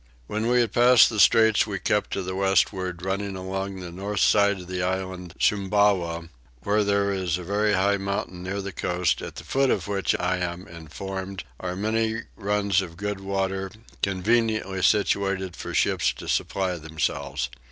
When we had passed the straits we kept to the westward, running along the north side of the island Sumbawa, where there is a very high mountain near the coast, at the foot of which I am informed, are many runs of good water, conveniently situated for ships to supply themselves.